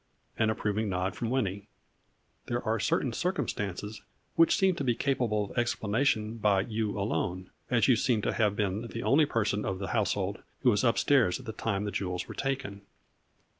An approving nod from Winnie. " There are certain circumstances which seem to be capable of explanation by you alone, as you seem to have been the only person of the household who was up stairs at the time the jewels were taken."